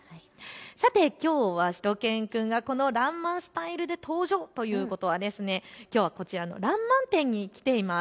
さて、きょうはしゅと犬くんがこのらんまんスタイルで登場ということはこちらのらんまん展に来ています。